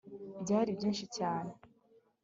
byari byinshi cyane